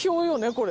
これ。